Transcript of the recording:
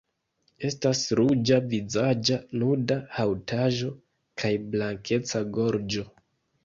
Estas ruĝa vizaĝa nuda haŭtaĵo kaj blankeca gorĝo.